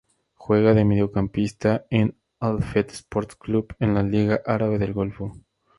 Juega de mediocampista en Al-Fateh Sports Club en la Liga Árabe del Golfo.